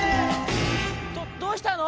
「どどうしたの⁉」。